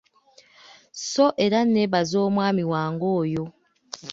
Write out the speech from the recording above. Sso era nneebaza omwami wange oyo.